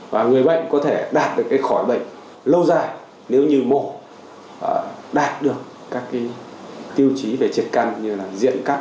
và người bệnh có thể đạt được khỏi bệnh lâu dài nếu như mổ đạt được các tiêu chí về triệt căng như diện cắt